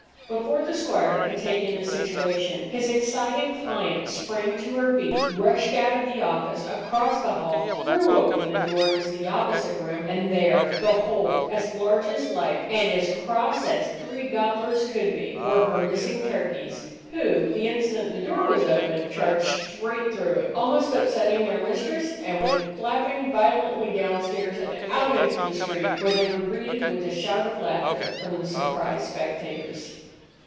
Before the squire could take in the situation, his excited client sprang to her feet, rushed out of the office, across the hall, threw open the door into the opposite room, and there, behold! as large as life, and as cross as three gobblers could be, were her missing turkeys, who, the instant the door was opened, charged straight through it, almost upsetting their mistress, and went flapping violently downstairs and out into the street, where they were greeted with a shout of laughter from the surprised spectators.